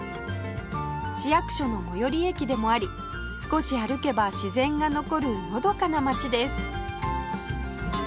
市役所の最寄り駅でもあり少し歩けば自然が残るのどかな街です